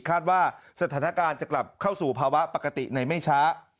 คาดว่าสถานการณ์จะกลับเข้าสู่ภาวะปกติในไม่ช้า